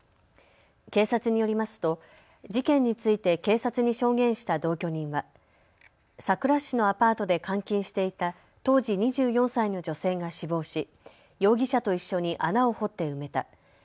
警察によりますと事件について警察に証言した同居人はさくら市のアパートで監禁していた当時２４歳の女性が死亡し容疑者と一緒に穴を掘って埋めた。